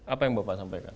apa yang bapak sampaikan